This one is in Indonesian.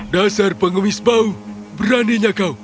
dasar pengwispaun beraninya kau